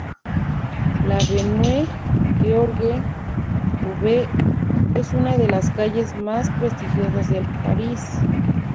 La Avenue George-V es una de las calles más prestigiosas de París.